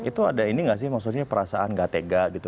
itu ada ini gak sih maksudnya perasaan gak tega gitu